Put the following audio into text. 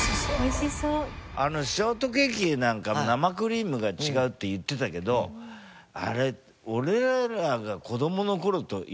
あのショートケーキなんか生クリームが違うって言ってたけどあれ俺らが子供の頃と今とじゃ。